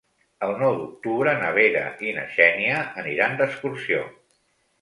El nou d'octubre na Vera i na Xènia aniran d'excursió.